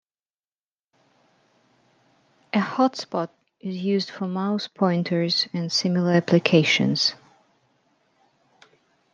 A "hotspot" is used for mouse pointers and similar applications.